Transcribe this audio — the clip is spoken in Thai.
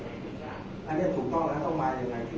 แต่ว่าไม่มีปรากฏว่าถ้าเกิดคนให้ยาที่๓๑